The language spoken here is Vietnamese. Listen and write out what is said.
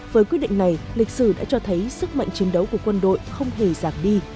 với quyết định này lịch sử đã cho thấy sức mạnh chiến đấu của quân đội không hề giảm đi